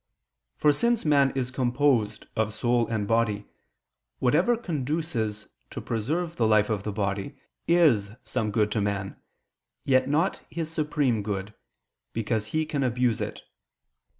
For, since man is composed of soul and body, whatever conduces to preserve the life of the body, is some good to man; yet not his supreme good, because he can abuse it.